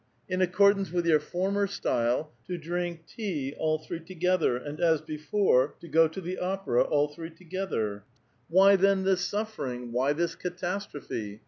In accoiWanoo with your former style, to drink tea all three 808 A VITAL QUESTION. together, and, as before, to go to the opera all three tc^ethef. Why, tben, this suffering? Why this catastrophe?